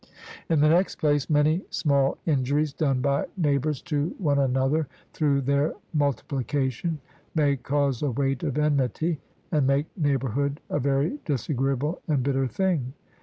In the next place, many small injuries done by neighbours to one another, through their multiplication, may cause a weight of enmity, and make neighbourhood a very disagreeable and bitter thing.